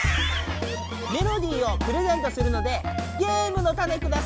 メロディーをプレゼントするのでゲームのタネください！